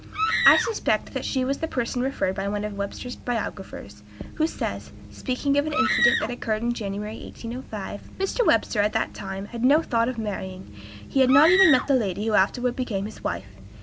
I suspect that she was the person referred to by one of Webster's biographers, who says, speaking of an incident that occurred in January, 1805: "Mr. Webster, at that time, had no thought of marrying; he had not even met the lady who afterward became his wife.